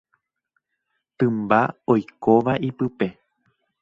Tymba oikóva ipype.